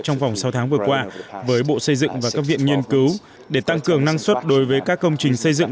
trong vòng sáu tháng vừa qua với bộ xây dựng và các viện nghiên cứu để tăng cường năng suất đối với các công trình xây dựng